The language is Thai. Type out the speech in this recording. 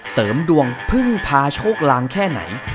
เสริมดวงพึ่งพาโชคลางแค่ไหน